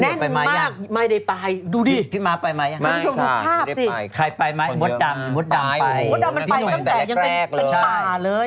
แน่นมากไม่ได้ไปดูดิไม่ได้ไปมดดำมดดำไปมดดำมันไปตั้งแต่เป็นป่าเลย